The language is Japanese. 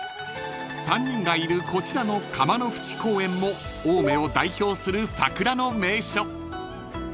［３人がいるこちらの釜の淵公園も青梅を代表する桜の名所］